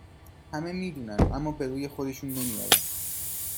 همه می دونن اما به روی خودشون نمیارن